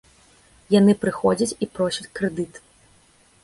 Яны прыходзяць і просяць крэдыт.